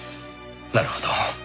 なるほど。